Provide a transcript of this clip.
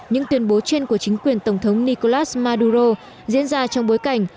những tuyên bố trên của chính quyền tổng thống nicolas maduro diễn ra trong bối cảnh